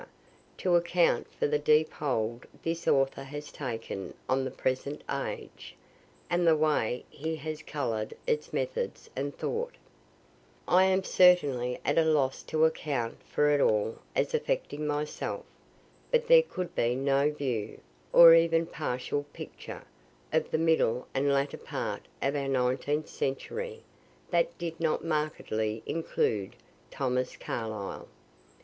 to account for the deep hold this author has taken on the present age, and the way he has color'd its method and thought. I am certainly at a loss to account for it all as affecting myself. But there could be no view, or even partial picture, of the middle and latter part of our Nineteenth century, that did not markedly include Thomas Carlyle.